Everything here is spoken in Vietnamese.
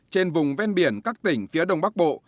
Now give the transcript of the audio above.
trên vùng ven biển các tỉnh phía đông bắc bộ